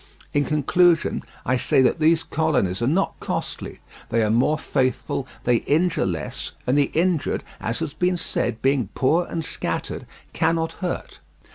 In conclusion, I say that these colonies are not costly, they are more faithful, they injure less, and the injured, as has been said, being poor and scattered, cannot hurt.